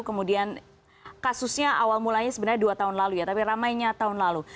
kemudian kasusnya awal mulanya sebenarnya dua tahun lalu ya tapi ramainya tahun lalu